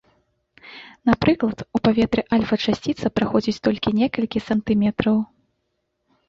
Напрыклад, у паветры альфа-часціца праходзіць толькі некалькі сантыметраў.